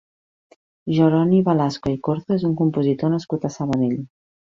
Jeroni Velasco i Corzo és un compositor nascut a Sabadell.